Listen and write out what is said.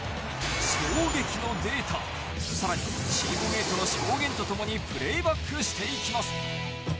衝撃のデータ、さらにチームメートの証言とともにプレーバックしていきます。